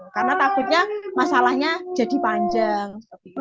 karena takutnya masalahnya jadi panjang